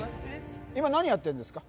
今何やってんですか？